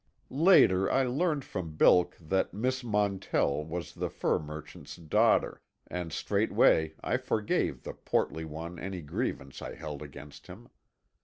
Later, I learned from Bilk that Miss Montell was the fur merchant's daughter, and straightway I forgave the portly one any grievance I held against him.